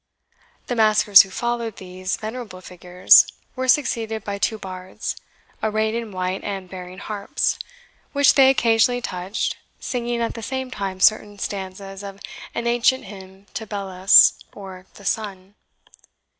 The maskers who followed these venerable figures were succeeded by two Bards, arrayed in white, and bearing harps, which they occasionally touched, singing at the same time certain stanzas of an ancient hymn to Belus, or the Sun.